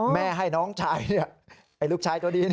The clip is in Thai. แม่ให้น้องชายเนี่ยไอ้ลูกชายตัวดี